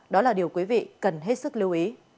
đó là điều quý vị cần hết sức lưu ý